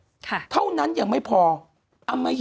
คุณหนุ่มกัญชัยได้เล่าใหญ่ใจความไปสักส่วนใหญ่แล้ว